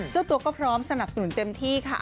เจ้าตัวก็พร้อมสนับสนุนเต็มที่ค่ะ